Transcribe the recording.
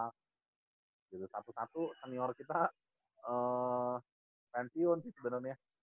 jadi satu satu senior kita pensiun sih sebenernya